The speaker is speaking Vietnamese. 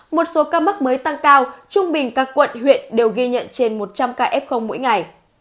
một số ca mắc mới tăng cao trung bình các quận huyện đều ghi nhận trên một trăm linh ca f mỗi ngày